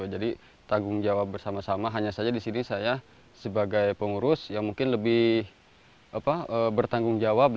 jadi tanggung jawab bersama sama hanya saja di sini saya sebagai pengurus yang mungkin lebih bertanggung jawab